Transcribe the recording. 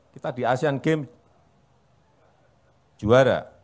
kita di asean games juara